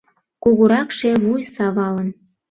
Кугуракше, вуй савалын